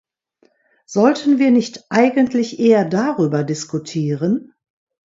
Sollten wir nicht eigentlich eher darüber diskutieren?